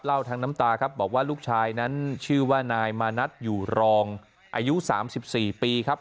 ทั้งน้ำตาครับบอกว่าลูกชายนั้นชื่อว่านายมานัดอยู่รองอายุ๓๔ปีครับ